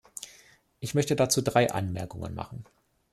Ich möchte dazu drei Anmerkungen machen.